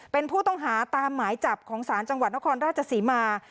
เป็นผู้ต้องหาตามหมายจับของศาลจังหวัดนครราชศรีมา